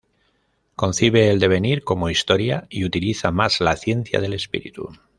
Concibe el devenir como historia y utiliza más la ciencia del espíritu.